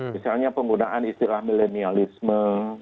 misalnya penggunaan istilah milenialisme